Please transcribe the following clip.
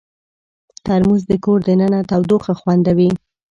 ترموز د کور دننه تودوخه خوندوي.